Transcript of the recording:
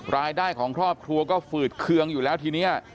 รายได้ของครอบครัวก็ฝืดเคืองอยู่แล้วทีนี้